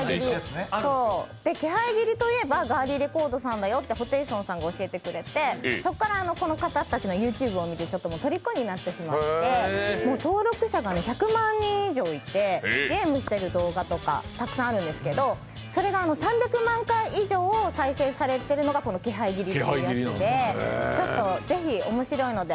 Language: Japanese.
気配斬りといえばガーリィレコードさんだよとホテイソンさんが押してくれてそこからこの方たちのＹｏｕＴｕｂｅを見てとりこになってしまって登録者が１００万人以上いて、ゲームしてる動画とかたくさんあるんですけどそれが３００万回以上再生されているのがこの気配斬りなんで、ぜひ面白いので。